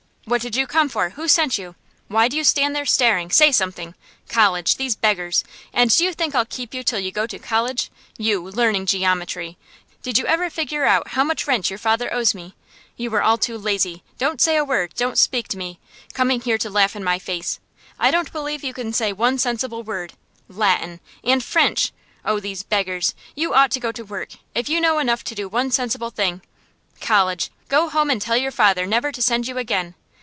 "What did you come for? Who sent you? Why do you stand there staring? Say something! College! these beggars! And do you think I'll keep you till you go to college? You, learning geometry! Did you ever figure out how much rent your father owes me? You are all too lazy Don't say a word! Don't speak to me! Coming here to laugh in my face! I don't believe you can say one sensible word. Latin and French! Oh, these beggars! You ought to go to work, if you know enough to do one sensible thing. College! Go home and tell your father never to send you again.